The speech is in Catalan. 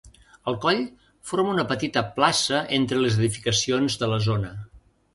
El coll forma una petita plaça entre les edificacions de la zona.